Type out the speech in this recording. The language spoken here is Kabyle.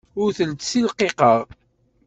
Ur tent-ssilqiqeɣ.